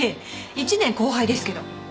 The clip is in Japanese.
１年後輩ですけど。